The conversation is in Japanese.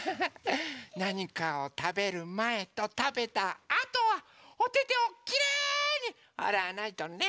なにかをたべるまえとたべたあとはおててをきれいにあらわないとね！